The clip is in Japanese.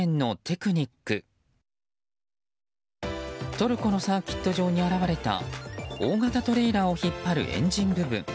トルコのサーキット場に現れた大型トレーラーを引っ張るエンジン部分。